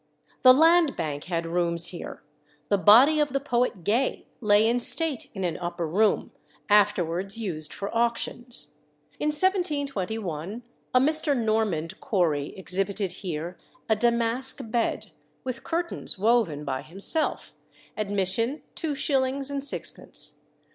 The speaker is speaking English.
The Land Bank had rooms here. The body of the poet Gay lay in state in an upper room, afterwards used for auctions. In 1721 a Mr. Normand Corry exhibited here a damask bed, with curtains woven by himself; admission two shillings and sixpence.